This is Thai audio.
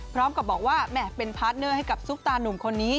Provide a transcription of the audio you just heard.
พร้อมกับบอกว่าแหม่เป็นพาร์ทเนอร์ให้กับซุปตานุ่มคนนี้